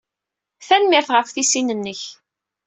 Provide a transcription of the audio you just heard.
Tanemmirt ɣef tisin-nnek.